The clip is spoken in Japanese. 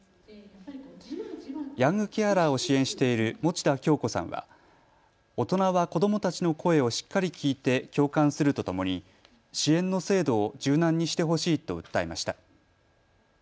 ヤングケアラーを支援している持田恭子さんは大人は子どもたちの声をしっかり聞いて共感するとともに支援の制度を柔軟にしてほしいと訴えました。